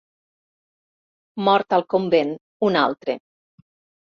Mort al convent, un altre.